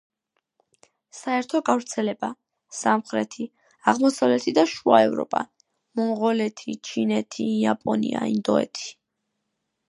საერთო გავრცელება: სამხრეთი, აღმოსავლეთი და შუა ევროპა, მონღოლეთი, ჩინეთი, იაპონია, ინდოეთი.